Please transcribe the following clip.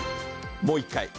もう一回。